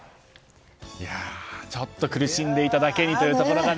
ちょっと苦しんでいただけにというところがね。